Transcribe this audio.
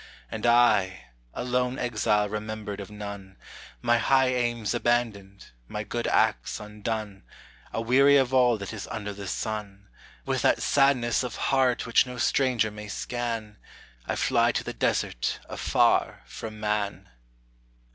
And I, a lone exile remembered of none, My high aims abandoned, my good acts undone, Aweary of all that is under the sun, With that sadness of heart which no stranger may scan, I fly to the desert afar from man.